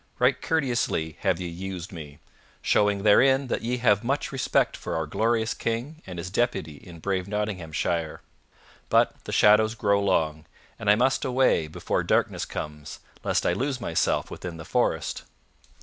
Right courteously have ye used me, showing therein that ye have much respect for our glorious King and his deputy in brave Nottinghamshire. But the shadows grow long, and I must away before darkness comes, lest I lose myself within the forest."